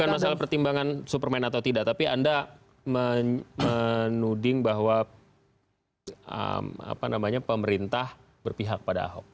bukan masalah pertimbangan superman atau tidak tapi anda menuding bahwa pemerintah berpihak pada ahok